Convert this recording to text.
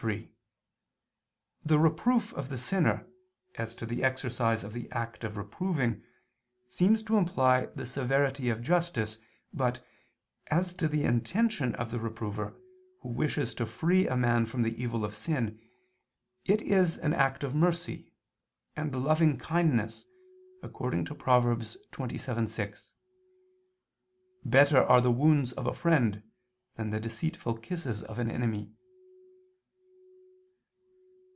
3: The reproof of the sinner, as to the exercise of the act of reproving, seems to imply the severity of justice, but, as to the intention of the reprover, who wishes to free a man from the evil of sin, it is an act of mercy and lovingkindness, according to Prov. 27:6: "Better are the wounds of a friend, than the deceitful kisses of an enemy."